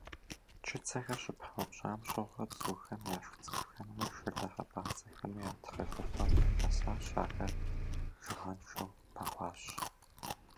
Чыцэхэр щыпаупщӏам щыгъуэ бзухэм яшх цӏывхэмрэ шылэ хьэпӏацӏэхэмрэ я тхъэжыгъуэр къэсащ, ахэр бжыгъэншэу бэгъуащ.